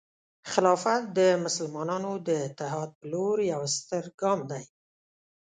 خلافت د مسلمانانو د اتحاد په لور یو ستر ګام دی.